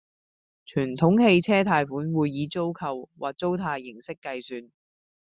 傳統汽車貸款會以租購或租貸形式計算